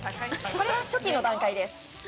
これは初期の段階です。